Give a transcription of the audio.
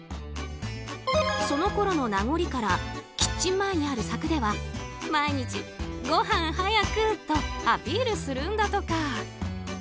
そのころの名残からキッチン前にある柵では毎日ごはん早くとアピールするんだとか。